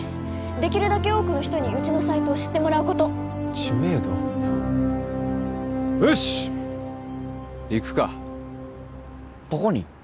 できるだけ多くの人にうちのサイトを知ってもらうこと知名度アップよし行くかどこに？